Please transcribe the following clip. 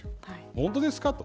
本当ですかと。